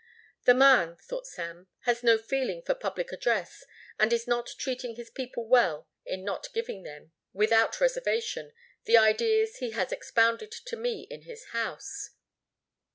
"The man," thought Sam, "has no feeling for public address and is not treating his people well in not giving them, without reservation, the ideas he has expounded to me in his house."